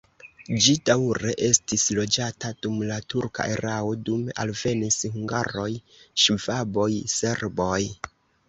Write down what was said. Ĝi daŭre estis loĝata dum la turka erao, dume alvenis hungaroj, ŝvaboj, serboj.